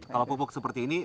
kalau pupuk seperti ini